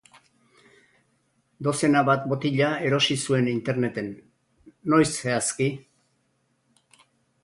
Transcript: Dozena bat botila erosi zuen Interneten. noiz zehazki?